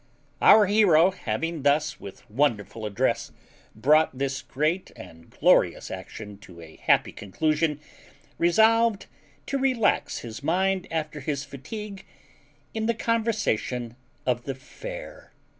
Our hero having thus, with wonderful address, brought this great and glorious action to a happy conclusion, resolved to relax his mind after his fatigue, in the conversation of the fair.